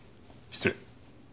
失礼。